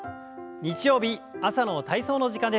日曜日朝の体操の時間です。